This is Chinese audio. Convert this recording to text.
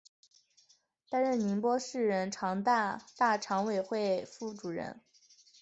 担任宁波市人大常委会副主任。